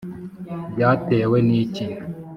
byatewe n’iki?